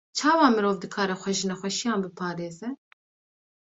Çawa mirov dikare xwe ji nexweşiyan biparêze?